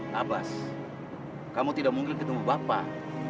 nabas kamu tidak mungkin ketemu bapak